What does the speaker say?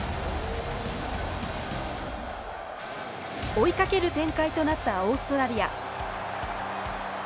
追いかける展開となったオーストラリア。